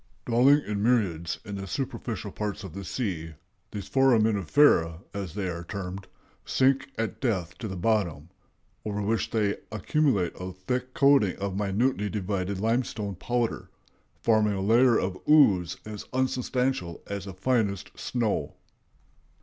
"Dwelling in myriads in the superficial parts of the sea, these foraminifera, as they are termed, sink at death to the bottom, over which they accumulate a thick coating of minutely divided limestone powder, forming a layer of ooze as unsubstantial as the finest snow."